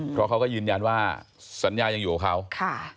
เพราะเขาก็ยืนยันว่าสัญญายังอยู่กับเขาค่ะ